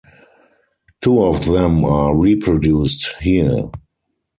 Two of them are reproduced here.